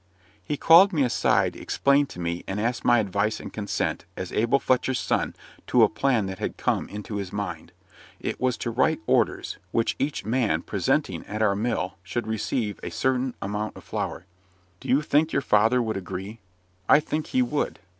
He called me aside, explained to me, and asked my advice and consent, as Abel Fletcher's son, to a plan that had come into his mind. It was to write orders, which each man presenting at our mill, should receive a certain amount of flour. "Do you think your father would agree?" "I think he would."